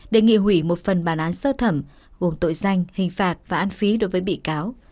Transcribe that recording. đề nghị hủy một phần bản án sơ thẩm gồm tội danh hình phạt và an phí đối với bị cáo